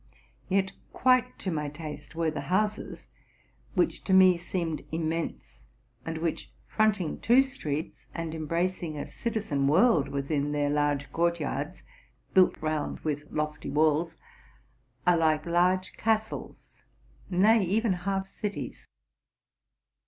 Yet quite to my taste were the houses, which to me seemed immense, and which, front ing two streets, and embracing a citizen world within their large court yards, built round with lofty walls, are like large castles, nay, even half cities.